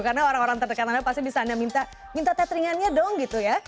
karena orang orang terdekat anda pasti bisa anda minta tetheringannya dong gitu ya